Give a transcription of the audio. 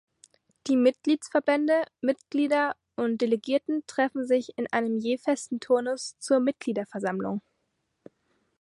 Die Mitgliedsverbände, Mitglieder und Delegierten treffen sich in einem je festen Turnus zur Mitgliederversammlung.